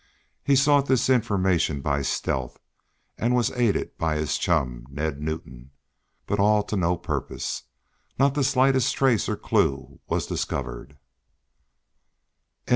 He sought this information by stealth, and was aided by his chum, Ned Newton. But all to no purpose. Not the slightest trace or clue was discovered.